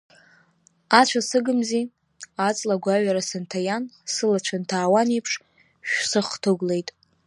Ацәа сыгымзи, аҵла агәаҩара сынҭаиан, сылацәа нҭаауан еиԥш, шәсыхҭыгәлеит.